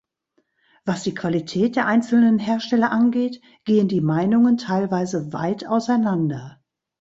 Was die Qualität der einzelnen Hersteller angeht, gehen die Meinungen teilweise weit auseinander.